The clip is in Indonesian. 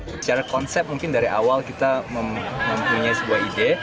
secara konsep mungkin dari awal kita mempunyai sebuah ide